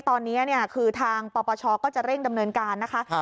ตอนนี้คือทางปปชก็จะเร่งดำเนินการนะคะ